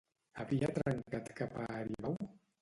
Havia trencat cap a Aribau?